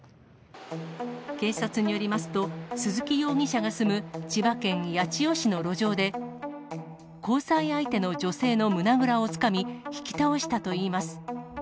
警察によりますと、鈴木容疑者が住む千葉県八千代市の路上で、交際相手の女性の胸倉をつかみ、引き倒したといいます。